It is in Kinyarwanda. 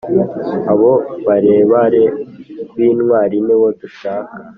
Abo barebare b`intwari nibo dushaka